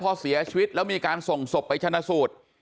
แล้วพอเสียชีวิตแล้วมีการส่งศพไปชั้นทรูป